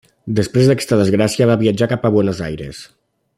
Després d'aquesta desgràcia va viatjar cap a Buenos Aires.